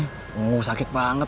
nunggu sakit banget